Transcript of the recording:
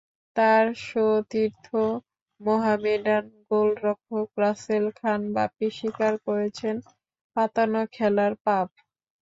তাঁর সতীর্থ মোহামেডান গোলরক্ষক রাসেল খান বাপ্পি স্বীকার করেছেন পাতানো খেলার পাপ।